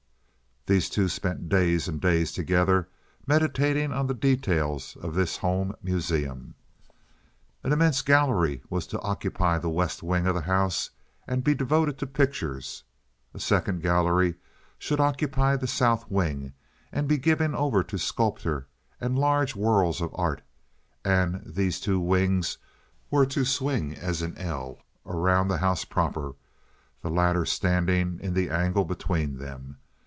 These two spent days and days together meditating on the details of this home museum. An immense gallery was to occupy the west wing of the house and be devoted to pictures; a second gallery should occupy the south wing and be given over to sculpture and large whorls of art; and these two wings were to swing as an L around the house proper, the latter standing in the angle between them.